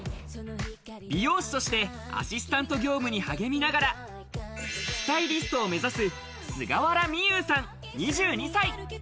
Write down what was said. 美容師としてアシスタント業務に励みながら、スタイリストを目指す菅原美優さん、２２歳。